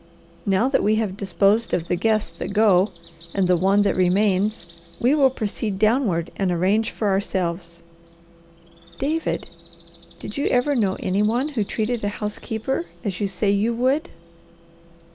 Now that we have disposed of the guests that go and the one that remains, we will proceed downward and arrange for ourselves." "David, did you ever know any one who treated a housekeeper as you say you would?"